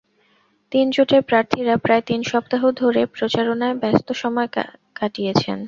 তিন জোটের প্রার্থীরা প্রায় তিন সপ্তাহ ধরে প্রচারণায় ব্যস্ত সময় কাটিয়েছেন।